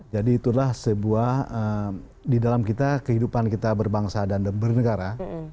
jadi itulah sebuah di dalam kita kehidupan kita berbangsa dan bernegara